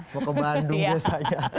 mau ke bandung biasanya